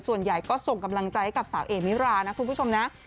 ส่วนใหญ่ก็ส่งกำลังใจให้กับสาวเอมิรานะคุณผู้ชมนะ